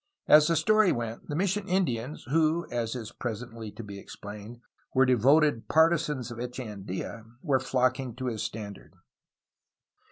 As the story went, the mission Indians, who (as is presently to be explained) were devoted partisans of Echeandia, were flocking to his standard.